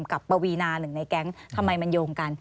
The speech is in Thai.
ปวีนาหนึ่งในแก๊งทำไมมันโยงกัน